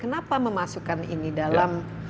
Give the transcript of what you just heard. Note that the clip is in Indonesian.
kenapa memasukkan ini dalam